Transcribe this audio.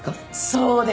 そうです！